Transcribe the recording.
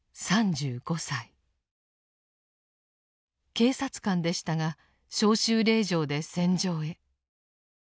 警察官でしたが召集令状で戦場へ。